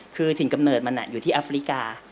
คือถึงกำเนิดมันอยู่ที่แอฟริกา